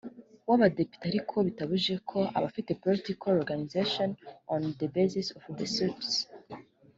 w abadepite ariko bitabujije ko n abafite political organizations on the basis of the seats